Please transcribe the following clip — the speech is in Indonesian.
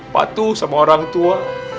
patuh sama orang tua